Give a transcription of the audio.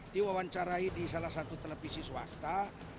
diwawancarai di salah satu televisi swasta